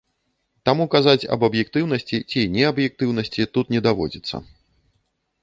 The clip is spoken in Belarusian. Таму казаць аб аб'ектыўнасці ці неаб'ектыўнасці тут не даводзіцца.